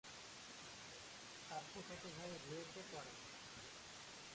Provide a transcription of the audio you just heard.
তার ফুফাতো ভাই রুয়েটে পড়ে।